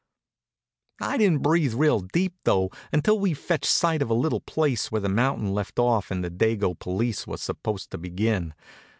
I didn't breathe real deep, though, until we'd fetched sight of a little place where the mountain left off and the dago police were supposed to begin.